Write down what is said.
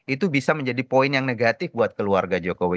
itu bisa menjadi poin yang negatif buat keluarga jokowi